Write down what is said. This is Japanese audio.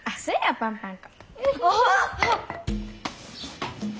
パンパン粉。